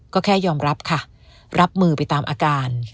ก็แค่ยอมรับค่ะรับมือไปตามอาการ